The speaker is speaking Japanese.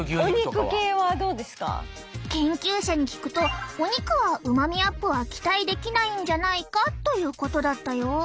研究者に聞くとお肉はうまみアップは期待できないんじゃないかということだったよ。